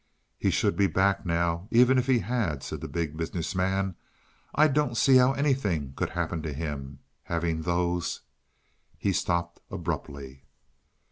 "He should be back by now, even if he had," said the Big Business Man. "I don't see how anything could happen to him having those " He stopped abruptly.